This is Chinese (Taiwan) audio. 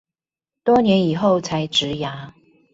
多年以後才植牙